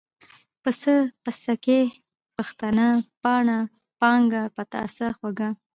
پسته ، پستکۍ ، پښتنه ، پاڼه ، پانگه ، پتاسه، خوږه،